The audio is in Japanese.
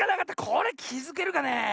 これきづけるかねえ。